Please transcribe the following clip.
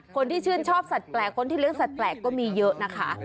คนที่ชื่นชอบสัตว์แปลกคนที่เลี้ยสัตวแปลกก็มีเยอะนะคะ